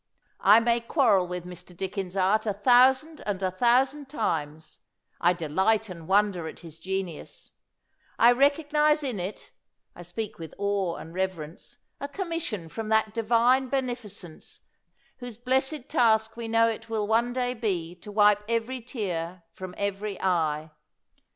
I may quarrel with Mr. Dickens's art a thou sand and a thousand times — I delight and wonder at his genius ; I recognize in it— I speak with awe and reverence — a commission from that Divine Beneficence whose blessed task we know it will one day be to wipe every tear from every eye.